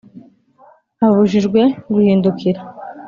abujijwe guhindukira